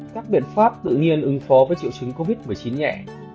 các biện pháp tự nhiên ứng phó với triệu chứng covid một mươi chín nhẹ